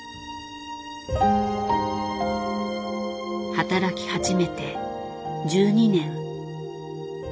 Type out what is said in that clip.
働き始めて１２年。